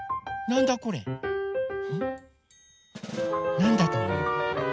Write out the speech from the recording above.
なんだとおもう？